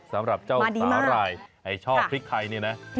สำหรับเจ้าสาหร่ายไอ้ชอบพริกไทยนี่นะ